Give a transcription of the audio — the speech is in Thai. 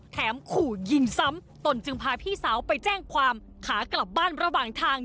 ขู่ยิงซ้ำตนจึงพาพี่สาวไปแจ้งความขากลับบ้านระหว่างทาง